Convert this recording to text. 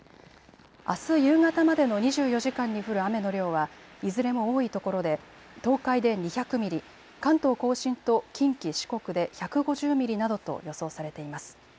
あす夕方までの２４時間に降る雨の量はいずれも多いところで東海で２００ミリ、関東甲信と近畿、四国で１５０ミリなどと予想されています。